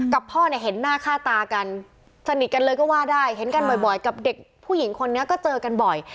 พ่อเนี่ยเห็นหน้าค่าตากันสนิทกันเลยก็ว่าได้เห็นกันบ่อยกับเด็กผู้หญิงคนนี้ก็เจอกันบ่อย